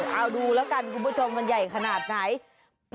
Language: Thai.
เอาดูแล้วกันคุณผู้ชมมันใหญ่ขนาดไหน